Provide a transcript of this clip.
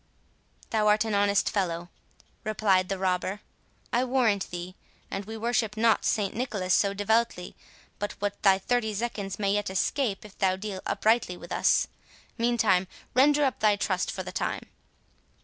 "Thou art an honest fellow," replied the robber, "I warrant thee; and we worship not St Nicholas so devoutly but what thy thirty zecchins may yet escape, if thou deal uprightly with us. Meantime render up thy trust for a time."